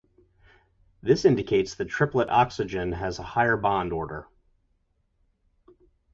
This indicates that triplet oxygen has a higher bond order.